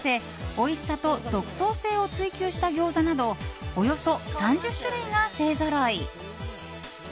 おいしさと独創性を追求した餃子などおよそ３０種類が勢ぞろい。